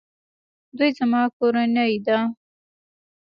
دوی زما کورنۍ ده